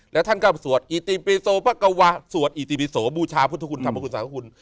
แล้วท่านก็สวดอิติปิโซพระกวะสวดอิติปิโสบูชาพุทธคุณธรรมคุณสาธุคุณ